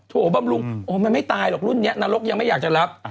โบำรุงโอ้มันไม่ตายหรอกรุ่นนี้นรกยังไม่อยากจะรับ